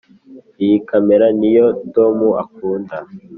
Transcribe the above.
iyi kamera niyo tom akunda.